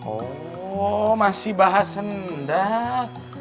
oh masih bahas sendal